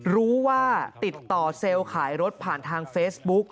รู้ว่าติดต่อเซลล์ขายรถผ่านทางเฟซบุ๊ก